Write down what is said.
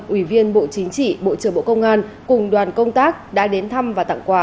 ủy viên bộ chính trị bộ trưởng bộ công an cùng đoàn công tác đã đến thăm và tặng quà